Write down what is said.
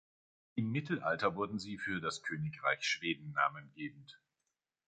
Im Mittelalter wurden sie für das Königreich Schweden namengebend.